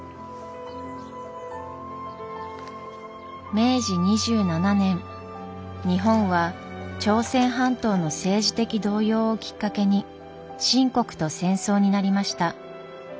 明治２７年日本は朝鮮半島の政治的動揺をきっかけに清国と戦争になりました。